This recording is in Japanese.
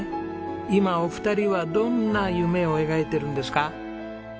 今お二人はどんな夢を描いてるんですか？